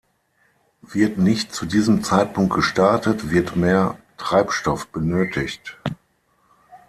Wird nicht zu diesem Zeitpunkt gestartet, wird mehr Treibstoff benötigt.